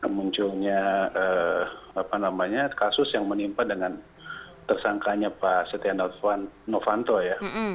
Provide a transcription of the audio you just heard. munculnya apa namanya kasus yang menimpa dengan tersangkanya pak stiano fanto ya